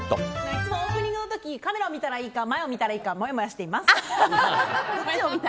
いつもオープニングの時カメラ見たらいいか前を見たらいいかもやもやしています。